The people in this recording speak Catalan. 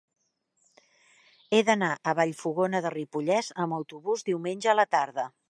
He d'anar a Vallfogona de Ripollès amb autobús diumenge a la tarda.